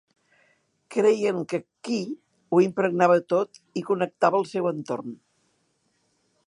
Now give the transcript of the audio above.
Creien que "qi" ho impregnava tot i connectava el seu entorn.